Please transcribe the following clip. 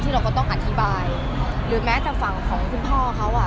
เราก็ต้องอธิบายหรือแม้แต่ฝั่งของคุณพ่อเขาอ่ะ